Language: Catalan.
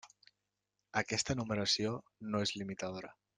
Aquesta enumeració no és limitadora.